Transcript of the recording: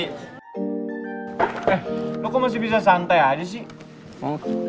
eh lo kok masih bisa santai aja sih